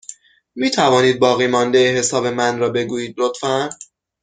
می توانید باقیمانده حساب من را بگویید، لطفا؟